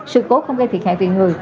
sự cố không gây thiệt hại về người